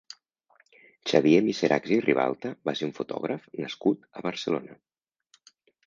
Xavier Miserachs i Ribalta va ser un fotògraf nascut a Barcelona.